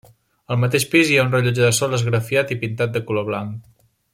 Al mateix pis hi ha un rellotge de sol esgrafiat i pintat de color blanc.